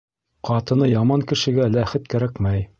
Ҡатыны яман кешегә ләхет кәрәкмәй.